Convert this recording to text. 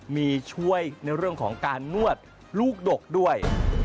มีช่วยในเรื่องของการนวดลูกดกด้วย